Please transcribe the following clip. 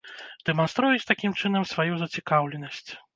Дэманструюць такім чынам сваю зацікаўленасць.